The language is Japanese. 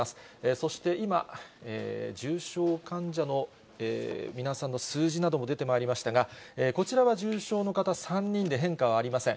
そして今、重症患者の皆さんの数字なども出てまいりましたが、こちらは重症の方３人で変化はありません。